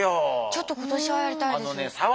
ちょっと今年はやりたいです。